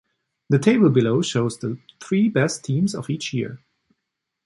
The table below shows the three best teams of each year.